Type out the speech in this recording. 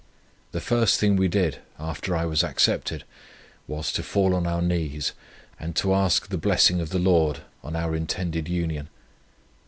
The first thing we did, after I was accepted, was, to fall on our knees, and to ask the blessing of the Lord on our intended union.